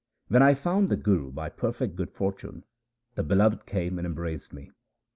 When I found the Guru by perfect good fortune, the Beloved came and embraced me.